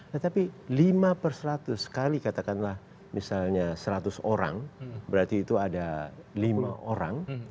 tetapi lima persatu sekali katakanlah misalnya seratus orang berarti itu ada lima orang